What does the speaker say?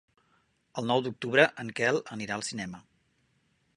El nou d'octubre en Quel anirà al cinema.